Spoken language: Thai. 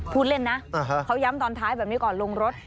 พูดเล่นนะเขาย้ำตอนท้ายแบบนี้ก่อนลงรถ